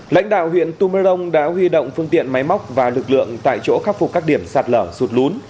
lãnh đạo huyện tumarong đã huy động phương tiện máy móc và lực lượng tại chỗ khắc phục các điểm sạt lở sụt lún